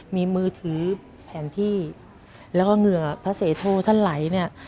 มีมือถือแผนที่แล้วก็เหงื่อพระเสโทท่านไหลเนี่ย